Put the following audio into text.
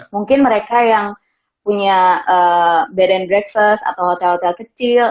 mungkin mereka yang punya badan breakfast atau hotel hotel kecil